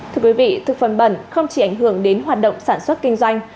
thưa quý vị thực phẩm bẩn không chỉ ảnh hưởng đến hoạt động sản xuất kinh doanh